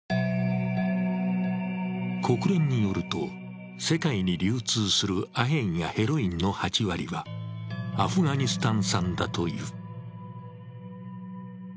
国連によると世界に流通するアヘンやヘロインの８割は、アフガニスタン産だという。